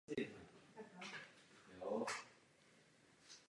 Contra Costa County je součástí San Francisco Bay Area.